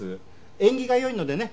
縁起が良いのでね